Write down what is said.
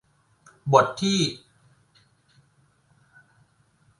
ขณะที่เรื่อแล่นไป